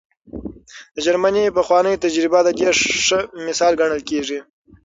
د جرمني پخوانۍ تجربه د دې ښه مثال ګڼل کېږي.